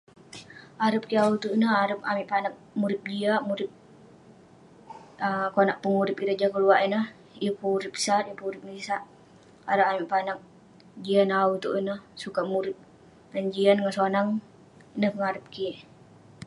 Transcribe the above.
Harep kik au ituek neh, arap amik panak murip jiak murip ah konak pegurip ireh jah keluak yeng pun urip sat yeng pun merisak, arap amik panak jian dan sukat murip ngan sonang ngan ngarep